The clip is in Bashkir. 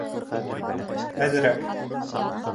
Әҙерәк...